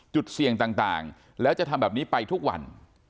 จุดเสี่ยงต่างแล้วจะทำแบบนี้ไปทุกวัน